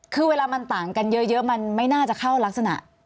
คือเวลามันต่างกันเยอะมันไม่น่าจะเข้ารักษณะ